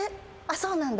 そうなんだ。